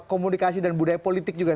komunikasi dan budaya politik juga